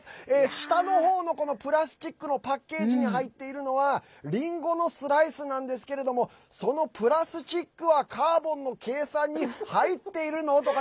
下のほうのプラスチックのパッケージに入ってるのはりんごのスライスなんですけれどもそのプラスチックはカーボンの計算に入っているの？とか